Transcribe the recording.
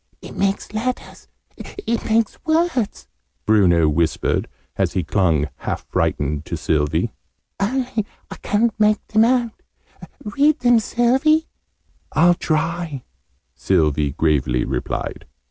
"It makes letters! It makes words!" Bruno whispered, as he clung, half frightened, to Sylvie. "Only I ca'n't make them out! Read them, Sylvie!" "I'll try," Sylvie gravely replied.